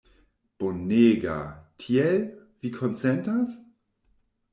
Bonega! Tiel, vi konsentas?